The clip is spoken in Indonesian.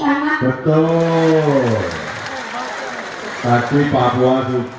anak betul tapi papua sudah